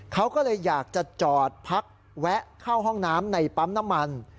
เขาก็เลยอยากจะจอดพักแวะเข้าห้องน้ำในปั๊มน้ำมัน